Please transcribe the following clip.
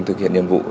thực hiện nhiệm vụ